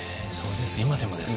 今でもですか。